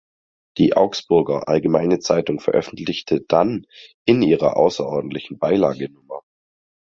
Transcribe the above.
Die Augsburger "Allgemeine Zeitung" veröffentlichte dann in ihrer außerordentlichen Beilage Nr.